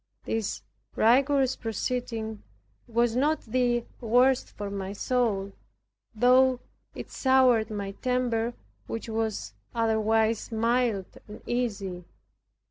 This rigorous proceeding was not the worst for my soul, though it soured my temper, which was otherwise mild and easy.